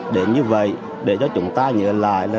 để như vậy để cho chúng ta nhìn lại là